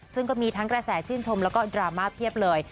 ซึ่งก็มีทั้งกระแสชื่นชมแล้วก็ดราม่าเพียบเลย